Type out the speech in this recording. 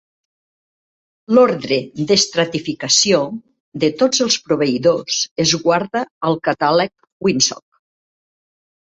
L'ordre d'estratificació de tots els proveïdors es guarda al Catàleg Winsock.